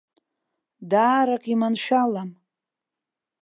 Даарак иманшәалам.